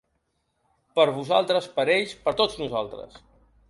Per vosaltres, per ells, per tots nosaltres.